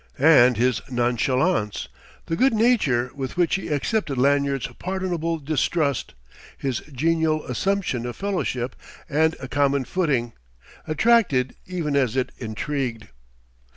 And his nonchalance, the good nature with which he accepted Lanyard's pardonable distrust, his genial assumption of fellowship and a common footing, attracted even as it intrigued.